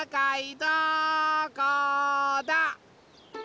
どこだ？